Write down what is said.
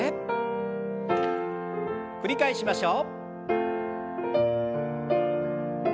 繰り返しましょう。